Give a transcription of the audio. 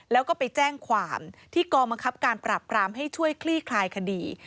แล้วก็ไปแจ้งความที่กองบังคับการปราบปรามให้ช่วยคลี่คลายคดี